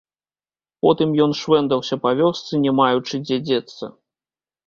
Потым ён швэндаўся па вёсцы, не маючы, дзе дзецца.